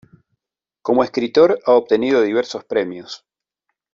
Como escritor ha obtenido diversos premios.